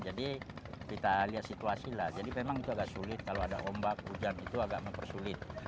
jadi kita lihat situasilah jadi memang itu agak sulit kalau ada ombak hujan itu agak mempersulit